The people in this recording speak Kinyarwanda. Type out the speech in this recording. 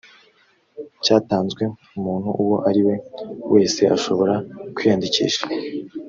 cyatanzwe umuntu uwo ariwe wese ashobora kwiyandikisha